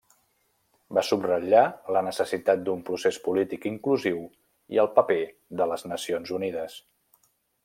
Va subratllar la necessitat d'un procés polític inclusiu i el paper de les Nacions Unides.